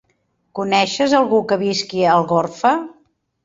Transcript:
Coneixes algú que visqui a Algorfa?